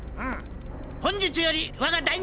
本日よりわが第２